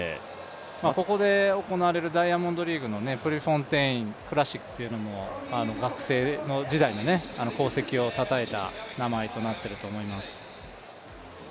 ここで行われるダイヤモンドリーグもプルポンテインクラシックというのも学生時代の功績をたたえた名前になっています。